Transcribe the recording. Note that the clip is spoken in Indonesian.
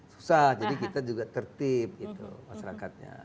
susah jadi kita juga tertib gitu masyarakatnya